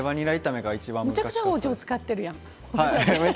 めちゃくちゃ包丁使ってるやん！